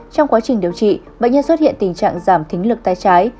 trong quá trình điều trị bệnh nhân xuất hiện tình trạng giảm thính lực tay trái